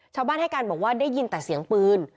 ชาวบ้านให้การบอกว่าได้ยินแต่เสียงปืน